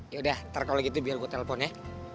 yaudah nanti kalau gitu biar saya telepon ya